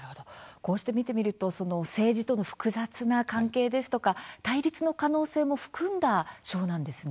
こうして見てみると政治との複雑な関係ですとか対立の可能性を含んだ賞なんですね。